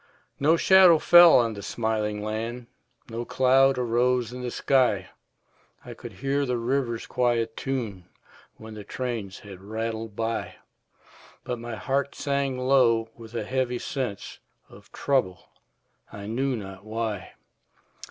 No shadow fell on the smiling land, No cloud arose in the sky; I could hear the river's quiet tune When the trains had rattled by; But my heart sank low with a heavy sense Of trouble, I knew not why.